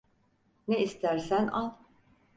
Ne istersen al.